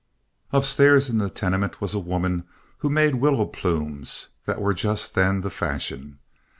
Upstairs in the tenement was a woman who made willow plumes, that were just then the fashion.